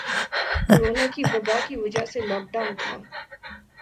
corona کی وبا کی وجہ سے لاک ڈاؤن تھا